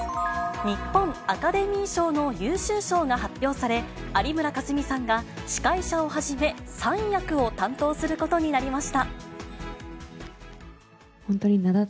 日本アカデミー賞の優秀賞が発表され、有村架純さんが、司会者をはじめ、３役を担当することになりました。